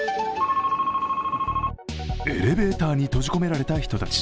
エレベーターに閉じ込められた人たち。